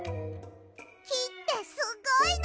きってすごいの！